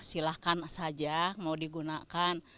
silakan saja mau digunakan